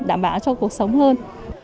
đảm bảo cho cuộc sống hơn